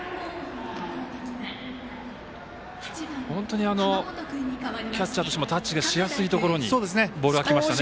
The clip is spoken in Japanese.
本当にキャッチャーとしてもタッチがしやすいところにボールがきましたね。